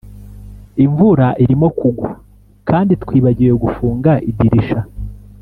imvura irimo kugwa, kandi twibagiwe gufunga idirisha